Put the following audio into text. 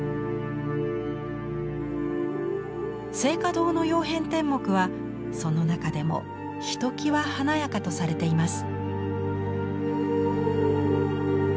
静嘉堂の「曜変天目」はその中でもひときわ華やかとされています。